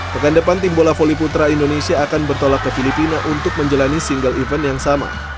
pekan depan tim bola voli putra indonesia akan bertolak ke filipina untuk menjalani single event yang sama